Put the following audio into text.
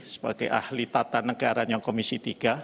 sebagai ahli tata negaranya komisi tiga